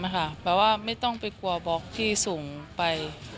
หมายความว่าไม่ต้องไปกลัวบล็อกที่สูงไป